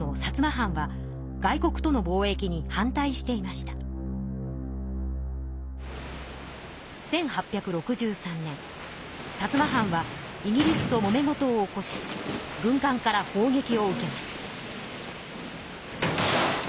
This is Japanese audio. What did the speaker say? そのため西郷の薩摩藩は薩摩藩はイギリスともめ事を起こし軍かんからほうげきを受けます。